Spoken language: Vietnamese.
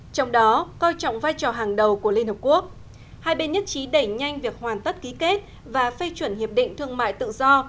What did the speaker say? trong đó coi trọng vai trò hàng đầu của liên hợp quốc hai bên nhất trí đẩy nhanh việc hoàn tất ký kết và phê chuẩn hiệp định thương mại tự do